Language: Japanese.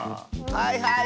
はいはい！